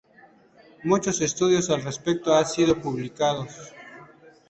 Muchos estudios al respecto has sido publicados.